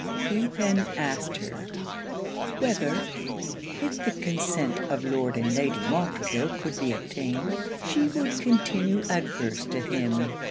He then asked her, 'whether, if the consent of Lord and Lady Montreville could be obtained, she would continue averse to him?'